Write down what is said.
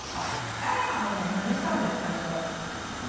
誰かのねまねしたんです最初。